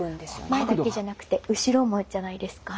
前だけじゃなくて後ろもじゃないですか